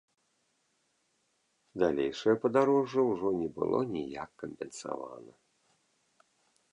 Далейшае падарожжа ўжо не было ніяк кампенсавана.